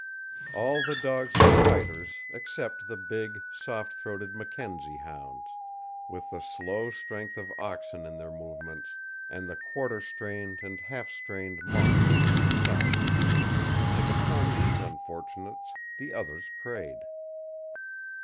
All the dogs were fighters except the big, soft throated Mackenzie hounds, with the slow strength of oxen in their movements, and the quarter strained and half strained mongrels from the south; and upon these unfortunates the others preyed.